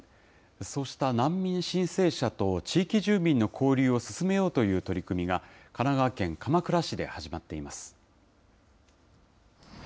そうした難民申請者と地域住民の交流を進めようという取り組みが、神奈川県鎌倉市で始まっています。